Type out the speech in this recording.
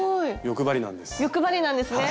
欲張りなんですね。